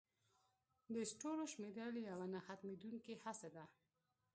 د ستورو شمیرل یوه نه ختمېدونکې هڅه ده.